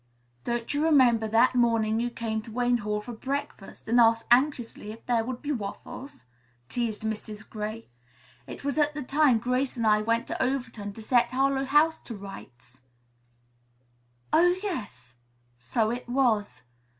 "Don't you remember that morning you came to Wayne Hall for breakfast and asked anxiously if there would be waffles?" teased Mrs. Gray. "It was at the time Grace and I went to Overton to set Harlowe House to rights." "Oh, yes! So it was."